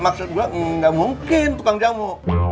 maksud gue nggak mungkin tukang jamu